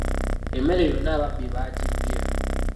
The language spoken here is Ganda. Emmere yonna ababbi bagibbye.